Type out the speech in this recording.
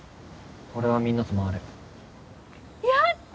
俺はみんなと回るやった！